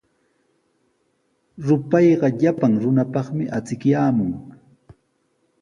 Rupayqa llapan runapaqmi achikyaamun.